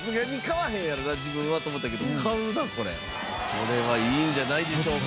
これはいいんじゃないでしょうか。